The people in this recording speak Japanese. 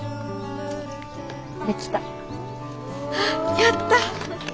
やった。